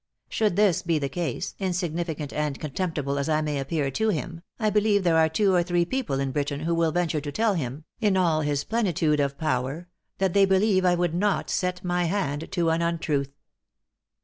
Should this be the case, insignificant and contemptible as I may appear to him, I believe there are two or three people in Britain who will venture to tell him, in all his plenitude of power, that they believe I would not set my hand to an untruth."